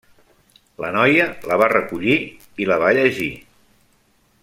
La noia la va recollir i la va llegir.